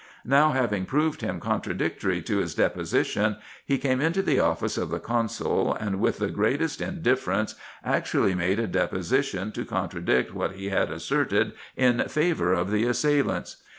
Now having proved him contradictory to his deposition, he came into the office of the consul, and, with the greatest indiffer ence, actually made a deposition to contradict what he had asserted in 37 C RESEARCHES AND OPERATIONS favour of the assailants.